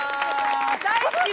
大好きな。